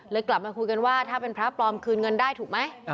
กลับมาคุยกันว่าถ้าเป็นพระปลอมคืนเงินได้ถูกไหม